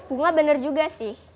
bunga bener juga sih